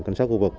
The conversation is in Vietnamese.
cảnh sát khu vực